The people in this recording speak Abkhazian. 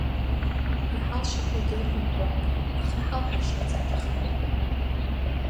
Иҳалшақәогьы ыҟамкәа, аха иҳалҳаршарц ҳҭахым.